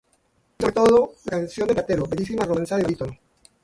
Y, sobre todo, la ""Canción del platero"," bellísima romanza de barítono.